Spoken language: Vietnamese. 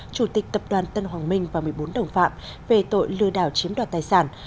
chủ tịch tập đoàn tân hoàng minh và một mươi bốn đồng phạm về tội lừa đảo chiếm đoạt tài sản